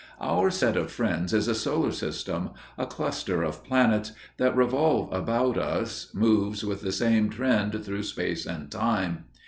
Our set of friends is a solar system, a cluster of planets, that, revolving about us, moves with the same trend through space and time.